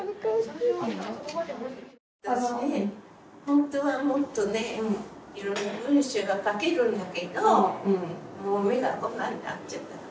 本当はもっとね色んな文章が書けるんだけどもう目がこんなになっちゃったから。